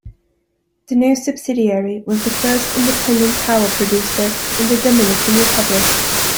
The new subsidiary was the first independent power producer in the Dominican Republic.